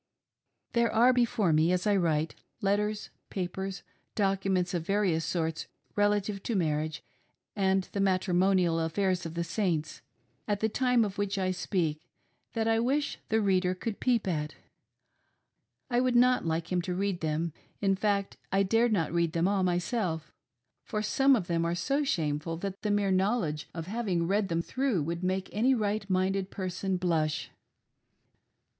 There are before me as I write, letters, papers, documents of various sorts relative to marriage and the matrimonial affairs of the Saints, at the time of which I speak, that I wish the reader could peep at. I would not like him to read them — in fact, I dared not read them all myself, for some of them are so shameful that the mere knowledge of having read them through would make any right minded person blush.